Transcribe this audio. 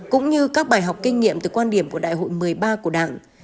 cũng như các bài học kinh nghiệm từ quan điểm của đại hội một mươi ba của đảng